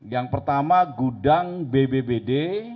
yang pertama gudang bbbd